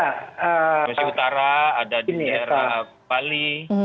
di utara ada di daerah bali